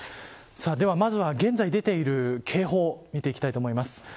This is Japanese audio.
では、まずは現在出ている警報、見ていきたいと思います。